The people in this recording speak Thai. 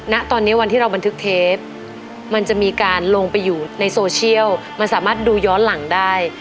ณตอนนี้วันที่เราบันทึกเทปมันจะมีการลงไปอยู่ในโซเชียลมันสามารถดูย้อนหลังได้